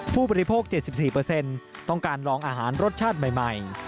ผู้บริโภค๗๔ต้องการลองอาหารรสชาติใหม่